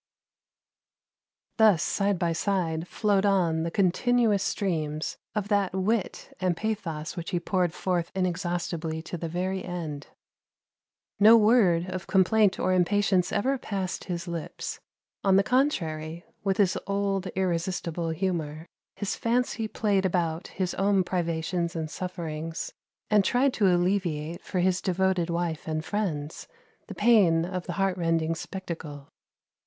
Thus side by side flowed on the continuous streams of that wit and pathos which he poured forth inexhaustibly to the very end. No word of complaint or impatience ever passed his lips; on the contrary, with his old, irresistible humor, his fancy played about his own privations and sufferings, and tried to alleviate for his devoted wife and friends the pain of the heart rending spectacle.